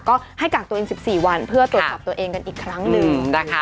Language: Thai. ก็ให้กากตัวเอง๑๔วันเพื่อตรวจกลับตัวเองกันอีกครั้งหนึ่ง